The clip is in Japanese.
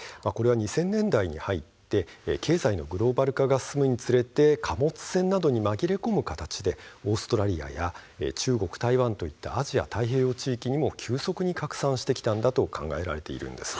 ２０００年代に入って経済のグローバル化が進むにつれ貨物船などに紛れ込む形でオーストラリアや中国、台湾といったアジア太平洋地域にも急激に拡散してきたと考えられているんです。